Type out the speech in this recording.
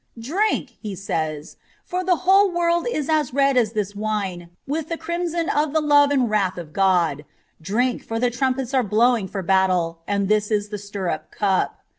' Drink,' he says, * for the whole world is as red as this wine with the crimson of the love and wrath of God. Drink, for the trumpets are blowing for battle, and this is the stirrup cup.